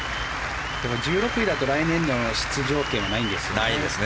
でも、１６位だと来年の出場権はないんですね。